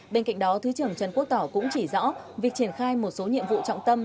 bên cạnh đó thứ trưởng trần quốc tỏ cũng chỉ rõ việc triển khai một số nhiệm vụ trọng tâm